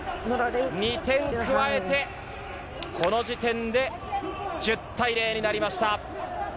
２点加えて、この時点で１０対０になりました。